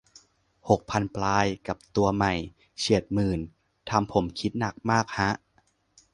หกพันปลาย กับตัวใหม่ เฉียดหมื่นทำผมคิดหนักมากฮะ